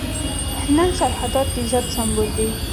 نن سرحدات د عزت سمبول دي.